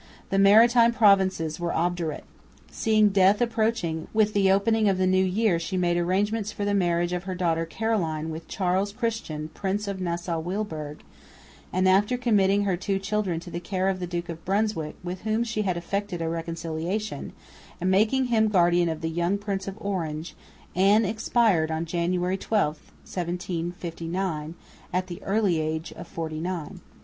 The maritime provinces were obdurate. Seeing death approaching, with the opening of the new year she made arrangements for the marriage of her daughter Caroline with Charles Christian, Prince of Nassau Weilburg, and after committing her two children to the care of the Duke of Brunswick (with whom she had effected a reconciliation) and making him guardian of the young Prince of Orange, Anne expired on January 12, 1759, at the early age of forty nine.